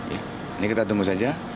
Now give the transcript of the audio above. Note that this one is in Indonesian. ini kita tunggu saja